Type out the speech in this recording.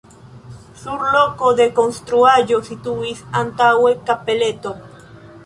Sur loko de konstruaĵo situis antaŭe kapeleto.